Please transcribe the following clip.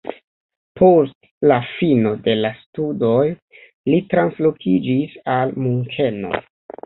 Post la fino de la studoj li translokiĝis al Munkeno.